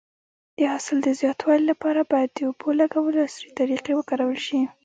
د حاصل د زیاتوالي لپاره باید د اوبو لګولو عصري طریقې وکارول شي.